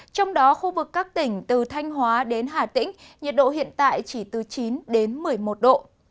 trong đó khu vực các tỉnh từ thanh hóa đến hà tĩnh nhiệt độ hiện tại chỉ từ chín đến một mươi một độ